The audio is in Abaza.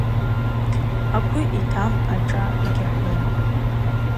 Агвы йтам ашӏа йгьахӏвум.